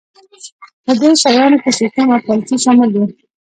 په دې شیانو کې سیستم او پالیسي شامل دي.